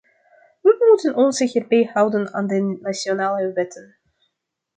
We moeten ons hierbij houden aan de nationale wetten.